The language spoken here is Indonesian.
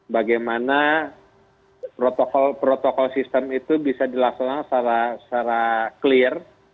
bagaimana protokol protokol sistem itu bisa dilaksanakan secara clear